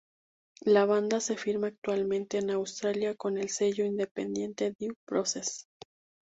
La banda se firma actualmente en Australia con el sello independiente Dew Process.